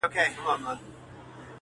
o خيرات پر باچا لا روا دئ!